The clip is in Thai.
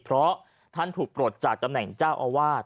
เพราะท่านถูกปลดจากตำแหน่งเจ้าอาวาส